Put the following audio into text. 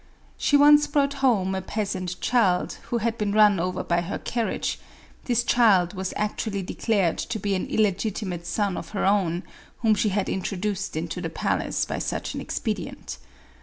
She once brought home a peasant child, who had been run over by her carriage ; this child wos actually declared to be an illegitimate son of her own, whom she had introduced into the palace by such an expedient.